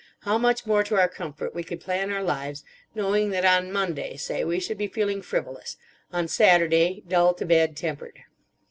How much more to our comfort we could plan our lives, knowing that on Monday, say, we should be feeling frivolous; on Saturday "dull to bad tempered."